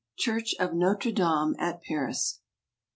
Church of Notre Dame at Paris